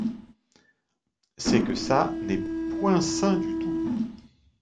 C’est que ça n’est point sain du tout.